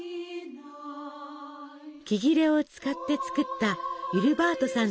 木切れを使って作ったウィルバートさん